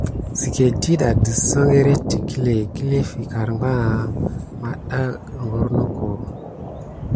Sikane ɗiɗa tiso érente tikilé, kilfi karbanga, metda hogornoko.